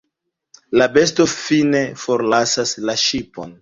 La besto fine forlasas la ŝipon.